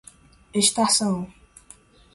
estação